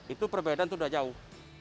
itu perbedaan itu udah jauh